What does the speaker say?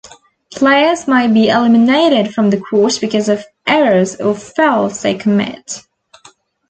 Players may be eliminated from the court because of errors or fouls they commit.